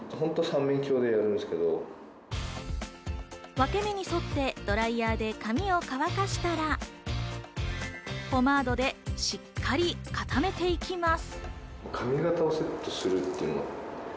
分け目に沿ってドライヤーで髪を乾かしたら、ポマードでしっかり固めていきます。